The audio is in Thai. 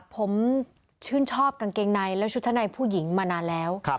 ผมชื่นชอบกางเกงในและชุดชั้นในผู้หญิงมานานแล้ว